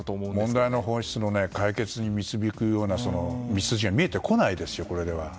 問題の本質の解決に導くような道筋が見えてこないですよ